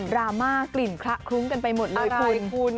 ราม่ากลิ่นคละคลุ้งกันไปหมดเลยคุณ